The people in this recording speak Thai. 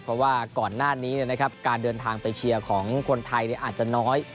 เพราะว่าก่อนหน้านี้นะครับการเดินทางไปเชียร์ของคนไทยอาจจะน้อย